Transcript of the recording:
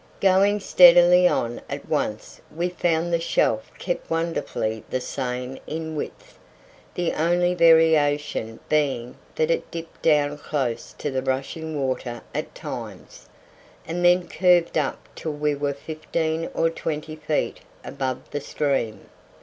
Going steadily on at once we found the shelf kept wonderfully the same in width, the only variation being that it dipped down close to the rushing water at times, and then curved up till we were fifteen or twenty feet above the stream.